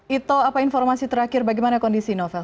ito apa informasi terakhir bagaimana kondisi novel